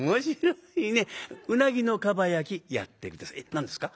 「何ですか？